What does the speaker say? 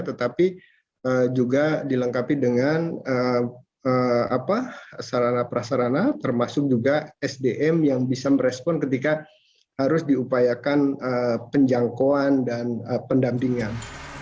tetapi juga dilengkapi dengan sarana prasarana termasuk juga sdm yang bisa merespon ketika harus diupayakan penjangkauan dan pendampingan